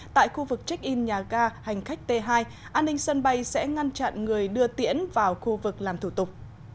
tại khu vực check in nhà ga hành khách t hai an ninh sân bay sẽ ngăn chặn người đưa tiễn vào khu vực làm thủ tục